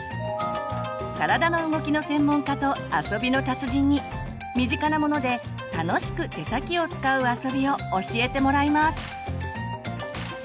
体の動きの専門家と遊びの達人に身近なもので楽しく手先を使う遊びを教えてもらいます！